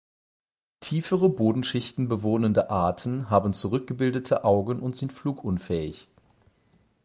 Tiefere Bodenschichten bewohnende Arten haben zurückgebildete Augen und sind flugunfähig.